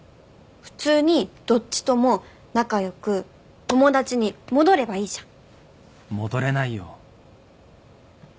普通にどっちとも仲良く友達に戻ればいいじゃん。